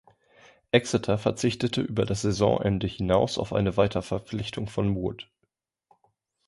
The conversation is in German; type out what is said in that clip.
Exeter verzichtete über das Saisonende hinaus auf eine Weiterverpflichtung von Wood.